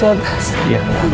iya pak ustadz